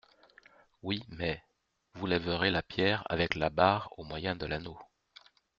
Oui, mais … Vous lèverez la pierre avec la barre au moyen de l'anneau.